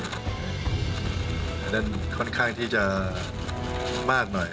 อะไรแมนค่อนข้างที่จะมากหน่อย